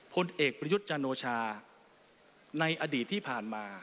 พลเอกประยุทธ์จันโอชาในอดีตที่ผ่านมา